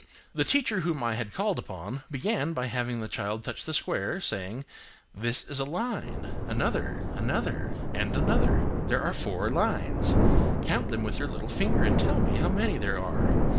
The teacher whom I had called upon began by having the child touch the square, saying, "This is a line,–another,–another,–and another. There are four lines: count them with your little finger and tell me how many there are.